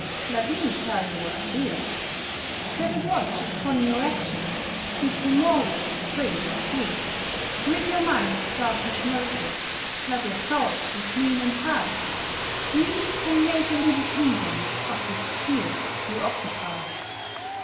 Let me tell you what to do: Set a watch upon your actions, Keep them always straight and true; Rid your mind of selfish motives; Let your thoughts be clean and high. You can make a little Eden Of the sphere you occupy.